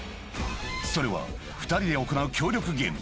それは２人で行う協力ゲーム。